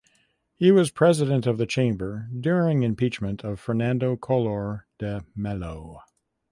He was president of the chamber during the impeachment of Fernando Collor de Mello.